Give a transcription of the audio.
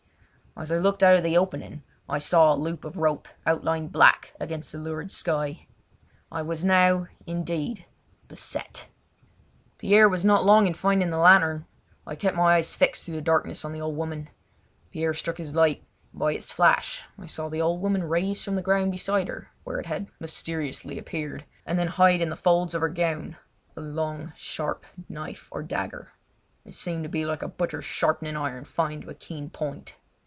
As I looked out of the opening I saw the loop of a rope outlined black against the lurid sky. I was now, indeed, beset! Pierre was not long in finding the lantern. I kept my eyes fixed through the darkness on the old woman. Pierre struck his light, and by its flash I saw the old woman raise from the ground beside her where it had mysteriously appeared, and then hide in the folds of her gown, a long sharp knife or dagger. It seemed to be like a butcher's sharpening iron fined to a keen point.